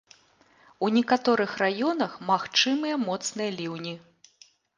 У некаторых раёнах магчымыя моцныя ліўні.